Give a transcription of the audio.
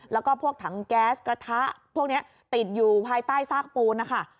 แล้วก็พวกถังแก๊สกระทะพวกนี้ติดอยู่ภายใต้ซากปูนนะคะ